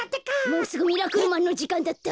もうすぐ「ミラクルマン」のじかんだった。